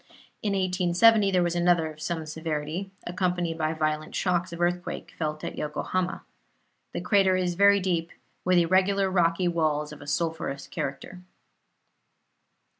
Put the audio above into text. In 1870 there was another of some severity, accompanied by violent shocks of earthquake felt at Yokohama. The crater is very deep, with irregular rocky walls of a sulphurous character.